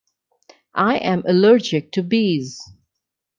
I am allergic to bees.